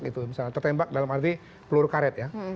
misalnya tertembak dalam arti peluru karet ya